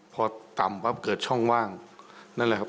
พอต่ำปั๊บเกิดช่องว่างนั่นแหละครับ